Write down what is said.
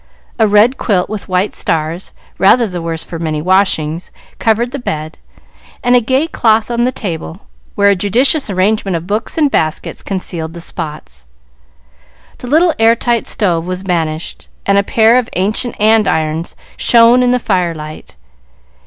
A red quilt with white stars, rather the worse for many washings, covered the bed, and a gay cloth the table, where a judicious arrangement of books and baskets concealed the spots. The little air tight stove was banished, and a pair of ancient andirons shone in the fire light.